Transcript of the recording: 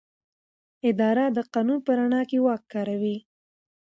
اداره د قانون په رڼا کې واک کاروي.